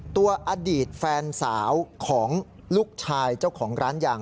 อดีตแฟนสาวของลูกชายเจ้าของร้านยาง